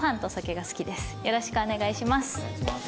よろしくお願いします。